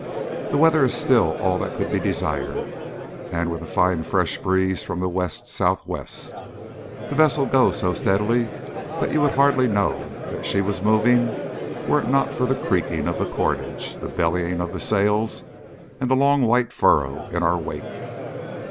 The weather is still all that could be desired, with a fine fresh breeze from the west sou' west. The vessel goes so steadily that you would hardly know that she was moving were it not for the creaking of the cordage, the bellying of the sails, and the long white furrow in our wake.